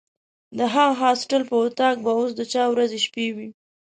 د هغه هاسټل په وطاق به اوس چا ورځې شپې وي.